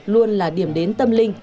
luôn là điểm đến tâm linh